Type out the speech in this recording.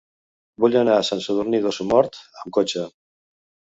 Vull anar a Sant Sadurní d'Osormort amb cotxe.